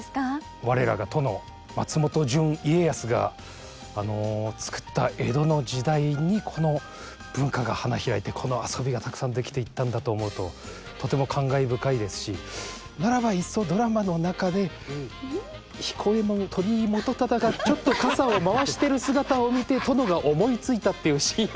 我らが殿松本潤家康がつくった江戸の時代にこの文化が花開いてこの遊びがたくさん出来ていったんだと思うととても感慨深いですしならばいっそドラマの中で彦右衛門鳥居元忠がちょっと傘を回してる姿を見て殿が思いついたっていうシーンを。